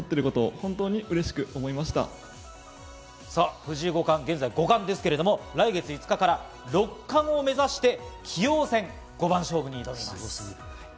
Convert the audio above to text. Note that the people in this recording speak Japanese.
藤井五冠、現在五冠ですけれど、来月５日から六冠を目指して棋王戦五番勝負に挑みます。